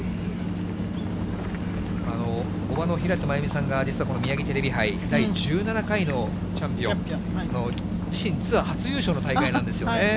おばの平瀬真由美さんが実は、このミヤギテレビ杯、第１７回のチャンピオン、自身ツアー初優勝の大会なんですよね。